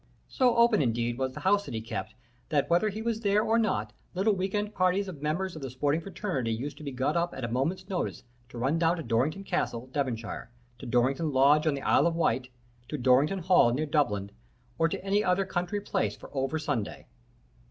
So open, indeed, was the house that he kept that, whether he was there or not, little week end parties of members of the sporting fraternity used to be got up at a moment's notice to run down to Dorrington Castle, Devonshire; to Dorrington Lodge on the Isle of Wight; to Dorrington Hall, near Dublin, or to any other country place for over Sunday.